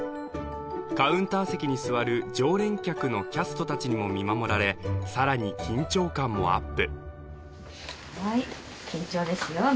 カウンター席に座る常連客のキャスト達にも見守られさらに緊張感もアップ